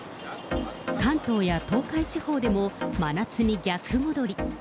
関東や東海地方でも、真夏に逆戻り。